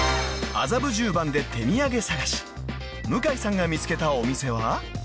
［麻布十番で手みやげ探し向井さんが見つけたお店は？］